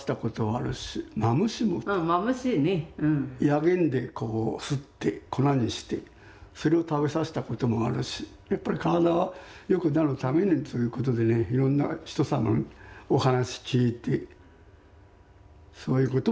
薬研でこうすって粉にしてそれを食べさせたこともあるしやっぱり体良くなるためにそういうことでねいろんな人様のお話聞いてそういうこともやりましたね。